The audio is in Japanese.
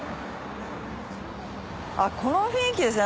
この雰囲気ですね